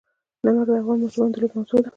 نمک د افغان ماشومانو د لوبو موضوع ده.